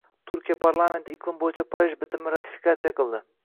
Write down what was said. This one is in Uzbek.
Turkiya parlamenti Iqlim bo‘yicha Parij bitimini ratifikatsiya qildi